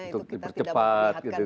untuk dipercepat gitu kan ya